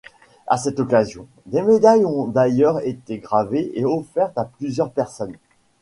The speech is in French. À cette occasion, des médailles ont d'ailleurs été gravées et offertes à plusieurs personnes.